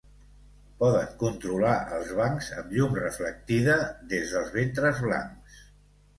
Poden controlar els bancs amb llum reflectida des dels ventres blancs.